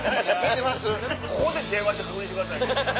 ここで電話して確認してください。